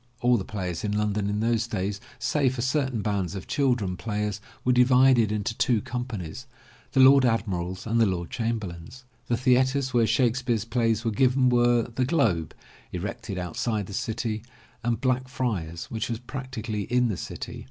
All the players in London in those days save for certain bands of children players were divided into two companies, the Lord Admiral's and the Lord Chamberlain's. The theatres where Shakespeare's plays were given were The Globe, erected outside the city, and BlackfrtafSy which was practically in the city.